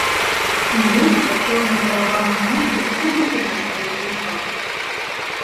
І вось пад чорным параванам ночы ў садок яна чагось прыйшла.